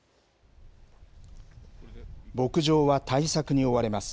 牧場は対策に追われます。